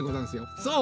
そう！